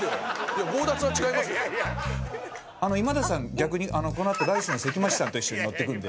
逆にこのあとライスの関町さんと一緒に乗って来るんで。